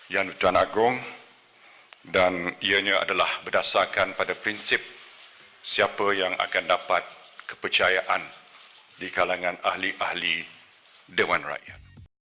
yang hutan agung dan ianya adalah berdasarkan pada prinsip siapa yang akan dapat kepercayaan di kalangan ahli ahli dewan rakyat